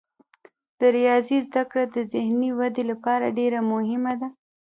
د ریاضي زده کړه د ذهني ودې لپاره ډیره مهمه ده.